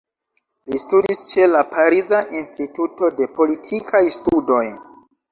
Li studis ĉe la Pariza Instituto de Politikaj Studoj.